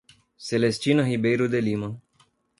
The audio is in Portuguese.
Celestina Ribeiro de Lima